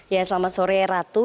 ya selama sore ratu